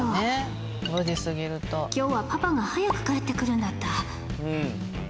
今日はパパが早く帰ってくるんだった